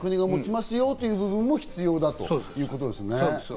国が持ちますよという部分も必要だということですね。